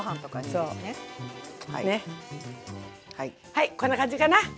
はいこんな感じかな。